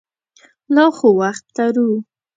لا خو وخت لرو.